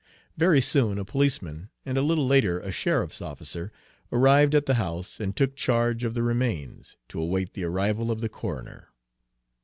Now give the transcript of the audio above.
Very soon a policeman, and a little later a sheriff's officer, arrived at the house and took charge of the remains to await the arrival of the coroner.